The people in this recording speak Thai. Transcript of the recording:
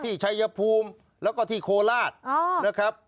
ชัยภูมิแล้วก็ที่โคราชนะครับ